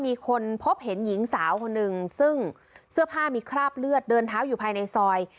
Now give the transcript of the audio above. มีคนพบเห็นหญิงสาวคนหนึ่งซึ่งเสื้อผ้ามีคราบเลือดเดินเท้าอยู่ภายในซอย